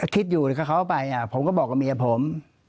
คิดอยู่กับเขาไปผมก็บอกกับเมียผม